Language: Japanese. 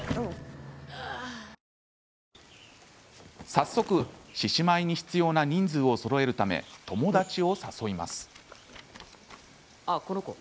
早速、獅子舞に必要な人数をそろえるため友だちを誘います。